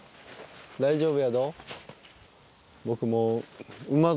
大丈夫やぞ。